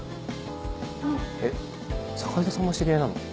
えっ坂井戸さんも知り合いなの？